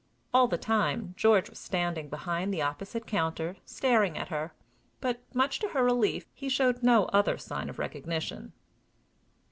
All the time, George was standing behind the opposite counter, staring at her; but, much to her relief, he showed no other sign of recognition.